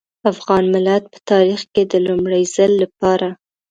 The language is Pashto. افغان ملت په تاريخ کې د لومړي ځل لپاره.